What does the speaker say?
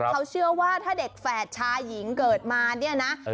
เขาเชื่อว่าถ้าเด็กแฝดชายหญิงเกิดมาเนี่ยนะ